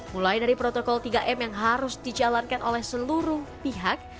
mulai dari protokol tiga m yang harus dijalankan oleh seluruh pihak